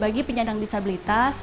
bagi penyandang disabilitas